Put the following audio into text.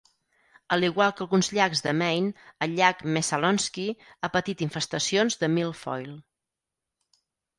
A l'igual que alguns llacs de Maine, el llac Messalonskee ha patit infestacions de Milfoil.